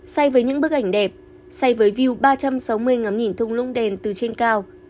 say với những bức ảnh đẹp say với view ba trăm sáu mươi ngắm nhìn thung lũng đèn từ trên cao